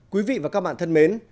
quý vị và các bạn thân mến